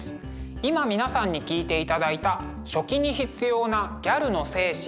今皆さんに聴いていただいた「書記に必要なギャルの精神」。